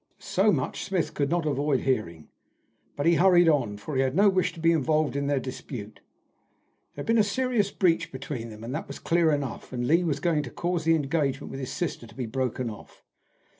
So much Smith could not avoid hearing, but he hurried on, for he had no wish to be involved in their dispute. There had been a serious breach between them, that was clear enough, and Lee was going to cause the engagement with his sister to be broken off.